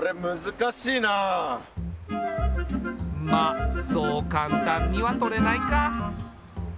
まあそう簡単にはとれないか。